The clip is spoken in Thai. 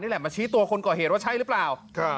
แหละมาชี้ตัวคนก่อเหตุว่าใช่หรือเปล่า